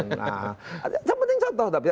nah penting contoh tapi